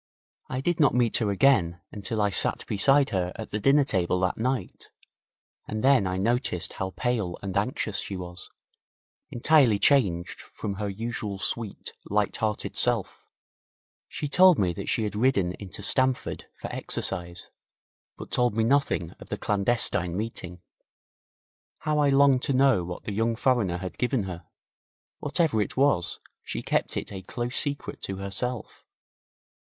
I did not meet her again until I sat beside her at the dinner table that night, and then I noticed how pale and anxious she was, entirely changed from her usual sweet, light hearted self. She told me that she had ridden into Stamford for exercise, but told me nothing of the clandestine meeting. How I longed to know what the young foreigner had given her. Whatever it was, she kept it a close secret to herself.